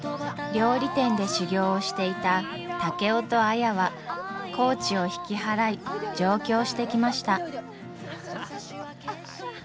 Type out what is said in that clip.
料理店で修業をしていた竹雄と綾は高知を引き払い上京してきました。